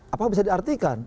apa bisa diartikan